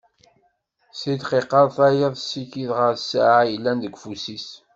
Si ddqiqa ar tayeḍ, tessikid ɣer ssaɛa i yellan deg ufus-is